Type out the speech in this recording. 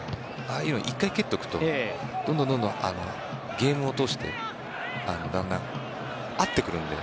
ああいうの、１回蹴っておくとどんどんとゲームを通してだんだん、合ってくるので。